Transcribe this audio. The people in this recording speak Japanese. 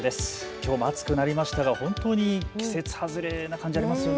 きょうも暑くなりましたが本当に季節外れな感じありますよね。